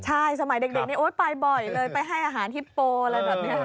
ใช่สมัยเด็กนี้โอ๊ยไปบ่อยเลยไปให้อาหารฮิปโปอะไรแบบนี้